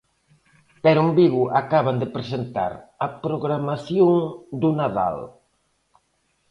Pero en Vigo acaban de presentar a programación do Nadal.